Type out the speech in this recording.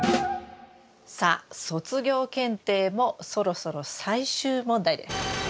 さあ卒業検定もそろそろ最終問題です。